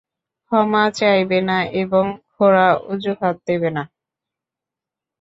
ক্ষমা চাইবে না এবং খোঁড়া অজুহাত দেবে না।